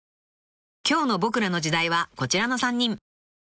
［今日の『ボクらの時代』はこちらの３人］